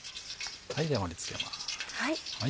では盛り付けます。